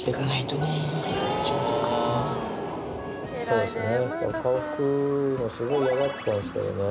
そうですね。